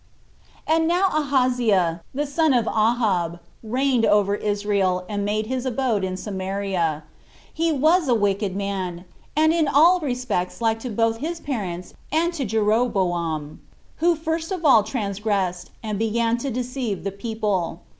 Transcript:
1. And now Ahaziah, the son of Ahab, reigned over Israel, and made his abode in Samaria. He was a wicked man, and in all respects like to both his parents and to Jeroboam, who first of all transgressed, and began to deceive the people.